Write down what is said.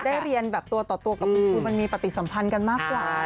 ได้เรียนแบบตัวต่อตัวกับคุณครูมันมีปฏิสัมพันธ์กันมากกว่า